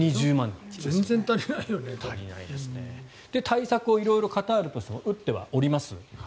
対策を色々カタールとしても打ってはおります。